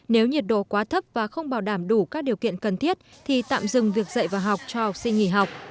nếu nhiệt độ quá thấp và không bảo đảm đủ các điều kiện cần thiết thì tạm dừng việc dạy và học cho học sinh nghỉ học